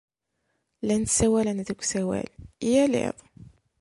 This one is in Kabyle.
Llan ssawalen deg usawal yal iḍ.